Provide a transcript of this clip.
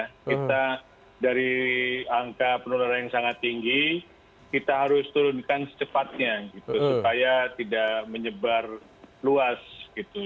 kita dari angka penularan yang sangat tinggi kita harus turunkan secepatnya gitu supaya tidak menyebar luas gitu